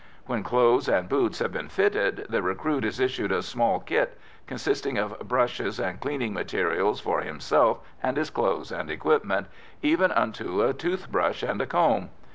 When clothes and boots have been fitted, the recruit is issued a "small kit," consisting of brushes and cleaning materials for himself and his clothes and equipment, even unto a toothbrush and a comb.